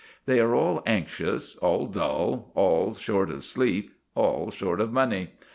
They are all anxious, all dull, all short of sleep, all short of money.